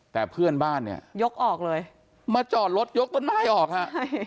แต่เพื่อนบ้านเนี่ยยกออกเลยมาจอดรถยกต้นไม้ออกฮะใช่